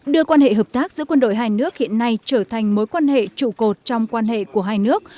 đưa quan hệ hợp tác giữa quân đội hai nước hiện nay trở thành mối quan hệ trụ cột trong quan hệ của hai nước